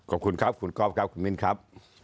ขอบคุณครับคุณก๊อฟครับคุณมิ้นครับ